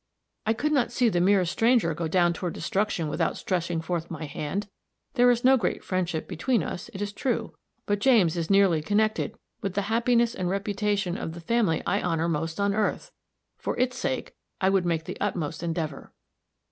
"I could not see the merest stranger go down toward destruction without stretching forth my hand. There is no great friendship between us, it is true; but James is nearly connected with the happiness and reputation of the family I honor most on earth. For its sake, I would make the utmost endeavor."